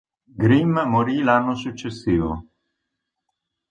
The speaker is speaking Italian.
Grimm morì l'anno successivo.